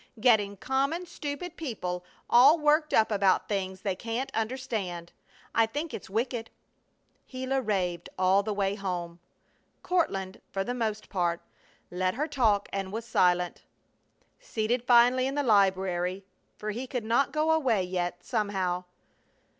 Getting common, stupid people all worked up about things they can't understand. I think it's wicked!" Gila raved all the way home. Courtland, for the most part, let her talk and was silent. Seated finally in the library, for he could not go away yet, somehow.